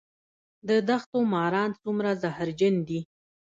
د دښتو ماران څومره زهرجن دي؟